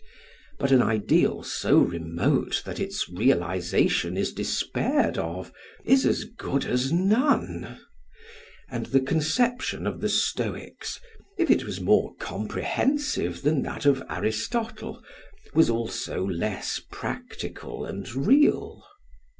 But an ideal so remote that its realisation is despaired of, is as good as none. And the conception of the Stoics, if it was more comprehensive than that of Aristotle, was also less practical and real.